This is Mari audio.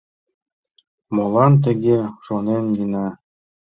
— Молан тыге шонет, Нина?